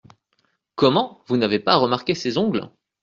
Comment, vous n’avez pas remarqué ses ongles ?…